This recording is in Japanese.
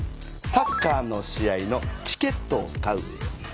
サッカーの試合のチケットを買う。